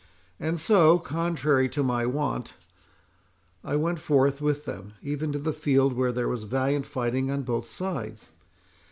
And so, contrary to my wont, I went forth with them, even to the field, where there was valiant fighting on both sides.